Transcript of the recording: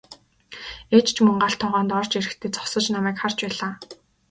Ээж ч мөн гал тогоонд орж ирэхдээ зогсож намайг харж байлаа.